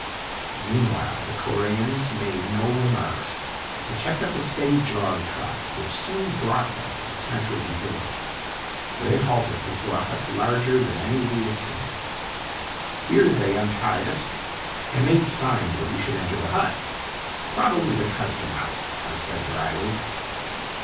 i IMAGINOTIONS Meanwhile, the Coreans made no remarks, but kept up a steady jog trot which soon brought them to the center of the village, where they halted before a hut larger than any we had seen. Here they untied us, and made signs that we should enter the hut. " Probably the custom house !'" I said dryly.